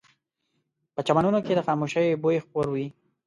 په چمنونو کې د خاموشۍ بوی خپور وي